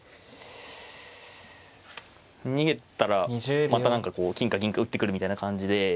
逃げたらまた何かこう金か銀か打ってくるみたいな感じで。